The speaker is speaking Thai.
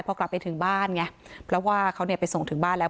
พอกลับไปถึงบ้านไงเพราะว่าเขาเนี่ยไปส่งถึงบ้านแล้ว